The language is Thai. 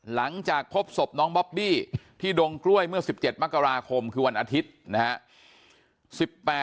หลังจากพบศพน้องบอบบี้ที่ดงกล้วยเมื่อ๑๗มกราคมคือวันอาทิตย์นะฮะ